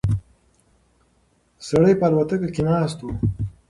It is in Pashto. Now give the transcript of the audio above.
سړی په الوتکه کې ناست و.